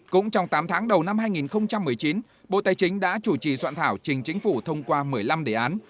cũng trong tám tháng đầu năm hai nghìn một mươi chín bộ tài chính đã chủ trì soạn thảo trình chính phủ thông qua một mươi năm đề án